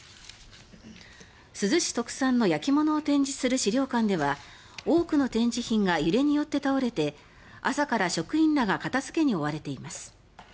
珠洲市特産の焼き物を展示する資料館では多くの展示品が揺れによって倒れて、朝から職員らが片付けに追われています。